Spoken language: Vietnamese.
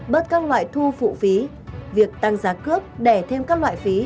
bớt các loại thu phụ phí việc tăng giá cướp để thêm các loại phí